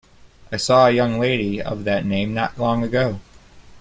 I saw a young lady of that name not long ago.